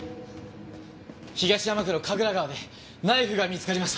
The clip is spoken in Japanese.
東山区の神楽川でナイフが見つかりました。